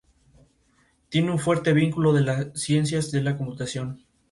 El juego era el tercer juego de arcade Star Wars; salió el año anterior.